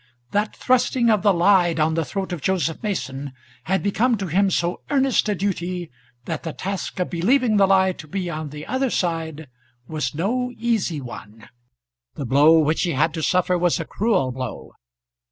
That thrusting of the lie down the throat of Joseph Mason had become to him so earnest a duty, that the task of believing the lie to be on the other side was no easy one. The blow which he had to suffer was a cruel blow.